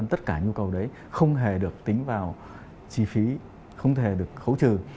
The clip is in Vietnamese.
tất cả nhu cầu đấy không hề được tính vào chi phí không thể được khấu trừ